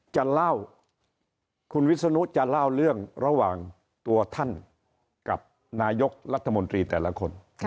จะเล่าคุณวิศนุจะเล่าเรื่องระหว่างตัวท่านกับนายกรัฐมนตรีแต่ละคน